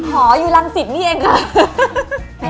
หออยู่รังสิตนี่เองค่ะ